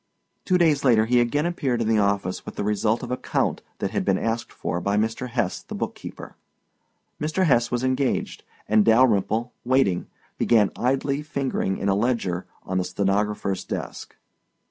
Two days later he again appeared in the office with the result of a count that had been asked for by Mr. Hesse, the bookkeeper. Mr. Hesse was engaged and Dalyrimple, waiting, began idly fingering in a ledger on the stenographer's desk.